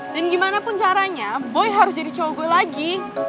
dan gimana pun caranya boy harus jadi cowok gue lagi